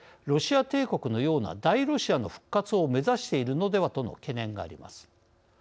ロシア帝国のような大ロシアの復活を目指しているのではとの懸念があります。